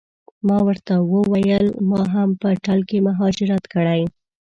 ما ورته وویل ما هم په ټل کې مهاجرت کړی.